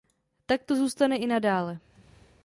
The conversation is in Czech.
Tak to zůstane i nadále.